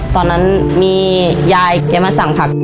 ตอนนั้นมียายแกมาสั่งผัก